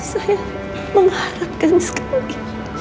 saya mengharapkan sekali